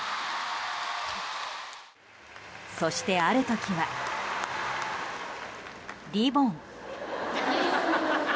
そして、ある時はリボン。